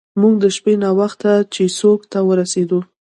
موږ د شپې ناوخته چیسوک ته ورسیدو.